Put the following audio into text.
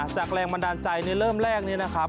แรงบันดาลใจในเริ่มแรกนี้นะครับ